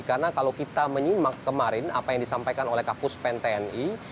karena kalau kita menyimak kemarin apa yang disampaikan oleh kakus pen tni